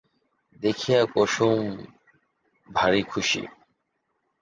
দেখিয়া কুসুম ভারি খুশি।